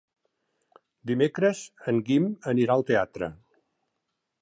Dimecres en Guim anirà al teatre.